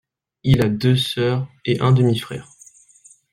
Il a deux sœurs et un demi-frère.